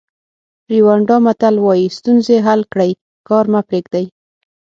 ریوانډا متل وایي ستونزې حل کړئ کار مه پریږدئ.